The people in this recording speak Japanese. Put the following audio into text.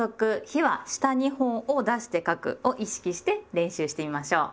「日は下２本を出して書く」を意識して練習してみましょう！